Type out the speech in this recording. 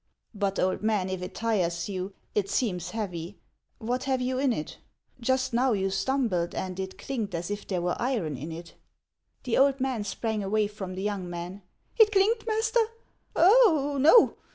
" But, old man, if it tires you ? It seems heavy. What have you in it ? Just now you stumbled, and it clinked as if there were iron in it." The old man sprang away from the young man. " It clinked, master ? Oh, no